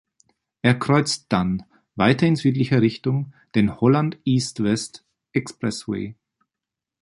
Er kreuzt dann, weiter in südlicher Richtung, den Holland East-West Expressway.